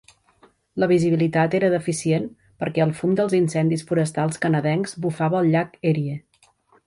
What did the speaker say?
La visibilitat era deficient perquè el fum dels incendis forestals canadencs bufava al llac Erie.